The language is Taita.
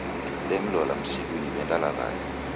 Demlola msidunyi w'endalaghaya